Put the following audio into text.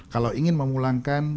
kalau ingin memulangkan